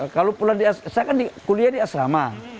kalau pula di saya kan kuliah di asrama